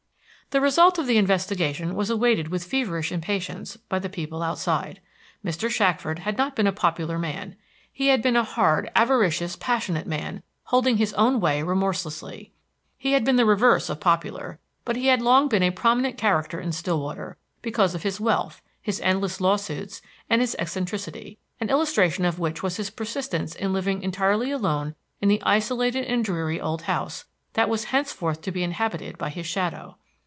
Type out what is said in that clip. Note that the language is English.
The result of the investigation was awaited with feverish impatience by the people outside. Mr. Shackford had not been a popular man; he had been a hard, avaricious, passionate man, holding his own way remorselessly. He had been the reverse of popular, but he had long been a prominent character in Stillwater, because of his wealth, his endless lawsuits, and his eccentricity, an illustration of which was his persistence in living entirely alone in the isolated and dreary old house, that was henceforth to be inhabited by his shadow.